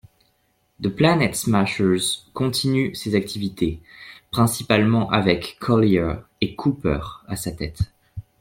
The Planet Smashers continue ses activités, principalement avec Collyer et Cooper à sa tête.